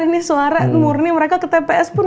ini suara murni mereka ke tps pun